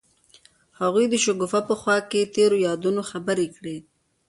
هغوی د شګوفه په خوا کې تیرو یادونو خبرې کړې.